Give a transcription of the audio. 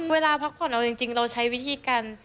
เวลาพักผ่อนเอาจริงเราใช้วิธีการ